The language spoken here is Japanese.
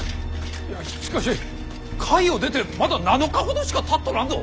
いやしかし甲斐を出てまだ７日ほどしかたっとらんぞ！？